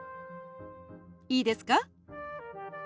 いいですか？